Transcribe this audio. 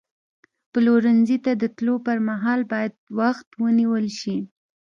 پلورنځي ته د تللو پر مهال باید وخت ونیول شي.